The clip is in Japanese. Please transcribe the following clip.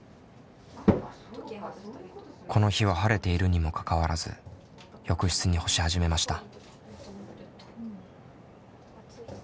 この日は晴れているにもかかわらず浴室に干し始めました。